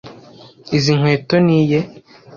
Izi nkweto ni iye.